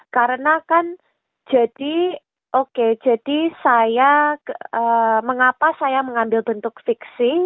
karena kan jadi oke jadi saya mengapa saya mengambil bentuk fiksi